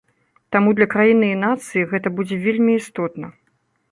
Таму для краіны і нацыі гэта будзе вельмі істотна.